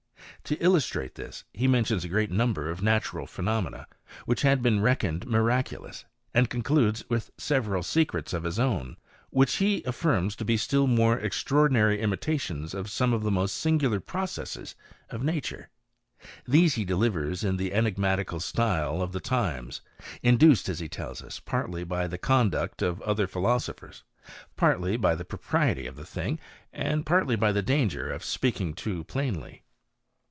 To illustrate this he mentions a great number of natural phenomena, which had been reckoned miraculous ; and concludes with several secrets of his own, which htf affirms to be still more extraordinary imitations of som4r of the most singular processes of nature. These h& delivers in the enigmatical style of the times ; induced,' as he tells us, partly by the conduct of other philoso^' phers, partly by the propriety of the thing, and partljf by the danger of speaking too plainly.